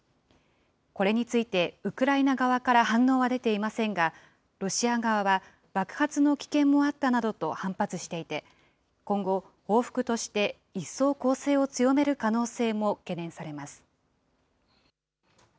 これについて、ウクライナ側から反応は出ていませんが、ロシア側は爆発の危険もあったなどと反発していて、今後、報復として一層攻勢を強める可能性も懸念されます。